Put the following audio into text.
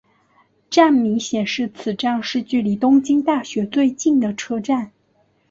站名显示此站是距离东京大学最近的车站。